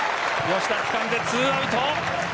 吉田つかんで２アウト。